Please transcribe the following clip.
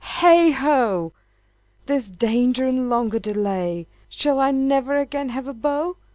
Heigh ho! There's danger in longer delay! Shall I never again have a beau?